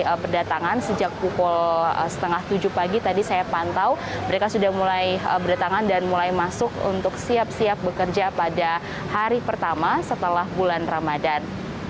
mereka berdatangan sejak pukul setengah tujuh pagi tadi saya pantau mereka sudah mulai berdatangan dan mulai masuk untuk siap siap bekerja pada hari pertama setelah bulan ramadan